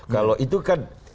kalau itu kan